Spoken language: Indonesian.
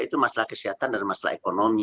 itu masalah kesehatan dan masalah ekonomi